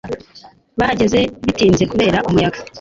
bahageze bitinze kubera umuyaga